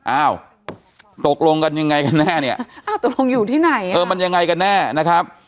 อ้าวตกลงกันยังไงกันแน่เนี่ยอ้าวตกลงอยู่ที่ไหนเออมันยังไงกันแน่นะครับ